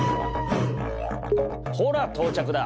ほら到着だ。